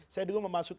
saya dulu memasukkan